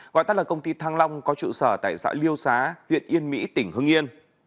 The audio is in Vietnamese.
gọi tắt là công ty thăng long có trụ sở tại xã liêu xá huyện yên mỹ tỉnh hưng yên